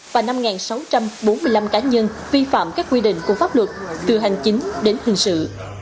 và năm sáu trăm bốn mươi năm cá nhân vi phạm các quy định của pháp luật từ hành chính đến hình sự